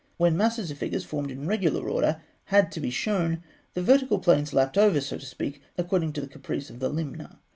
When masses of figures formed in regular order had to be shown, the vertical planes lapped over, so to speak, according to the caprice of the limner.